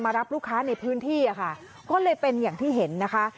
รับลูกค้าในพื้นที่อะค่ะก็เลยเป็นอย่างที่เห็นนะคะ